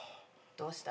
「どうした？」